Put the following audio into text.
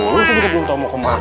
lu juga belum tau mau kemana